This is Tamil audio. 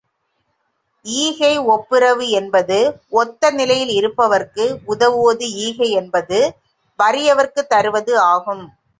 ஈகை ஒப்புரவு என்பது ஒத்த நிலையில் இருப்பவர்க்கு உதவுவது ஈகை என்பது வறியவர்க்குத் தருவது ஆகும்.